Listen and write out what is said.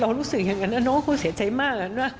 รู้สึกอย่างนั้นนะน้องคงเสียใจมาก